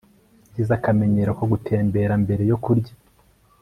Yagize akamenyero ko gutembera mbere yo kurya